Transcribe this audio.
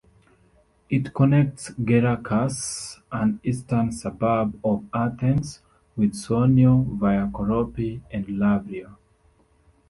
It connects Gerakas, an eastern suburb of Athens, with Sounio, via Koropi and Lavrio.